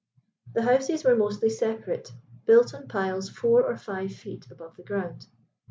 The houses were mostly separate, built on piles four or five feet above the ground.